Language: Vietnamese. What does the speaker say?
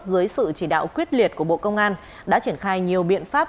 dưới sự chỉ đạo quyết liệt của bộ công an đã triển khai nhiều biện pháp